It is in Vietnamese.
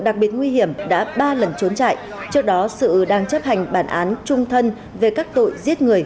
đặc biệt nguy hiểm đã ba lần trốn chạy trước đó sự đang chấp hành bản án trung thân về các tội giết người